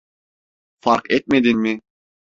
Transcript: Fark etmedin mi?